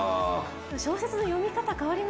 小説の読み方変わりますね。